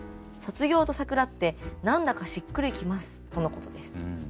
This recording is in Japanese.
卒業と桜って何だかしっくりきます」とのことです。